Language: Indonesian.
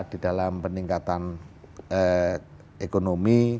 di dalam peningkatan ekonomi